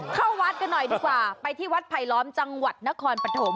เข้าวัดกันหน่อยดีกว่าไปที่วัดไผลล้อมจังหวัดนครปฐม